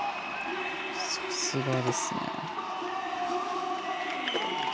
さすがですね。